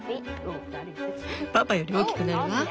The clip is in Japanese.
パパより大きくなるわ。